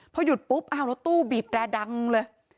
พอหยุดปุ๊บอ้าวรถตู้บีบแรดังเลย